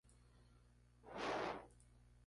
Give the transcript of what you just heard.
En su regreso a Argentina fichó para jugar en All Boys.